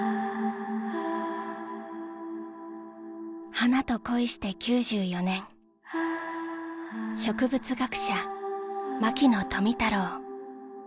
花と恋して９４年植物学者牧野富太郎